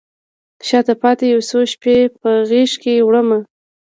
شاته پاته یو څو شپې په غیږکې وړمه